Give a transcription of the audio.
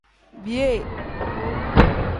Biyee.